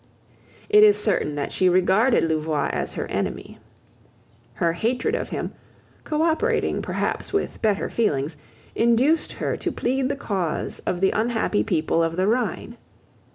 It is certain that she regarded Louvois as her enemy. Her hatred of him, cooperating perhaps with better feelings, induced her to plead the cause of the unhappy people of the Rhine.